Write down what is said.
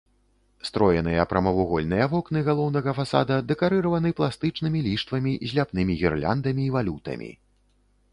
Строеныя прамавугольныя вокны галоўнага фасада дэкарыраваны пластычнымі ліштвамі з ляпнымі гірляндамі і валютамі.